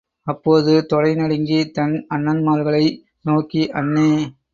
அப்போது, தொடைநடுங்கி, தன் அண்ணன்மார்களை நோக்கி, அண்ணே!